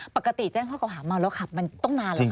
ปกติแจ้งข้อเก่าหาเมาแล้วขับมันต้องนานหรือครับ